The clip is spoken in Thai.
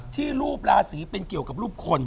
ที่รูปราศีเป็นเกี่ยวกับรูปคน